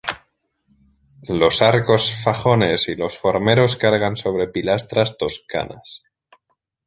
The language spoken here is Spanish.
Los arcos fajones y los formeros cargan sobre pilastras toscanas.